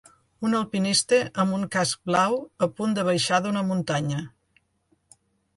Un alpinista amb un casc blau a punt de baixar d'una muntanya.